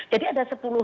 jadi ada sepuluh